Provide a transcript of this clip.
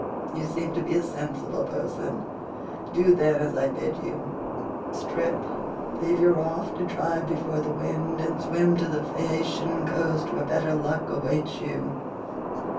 You seem to be a sensible person, do then as I bid you; strip, leave your raft to drive before the wind, and swim to the Phaeacian coast where better luck awaits you.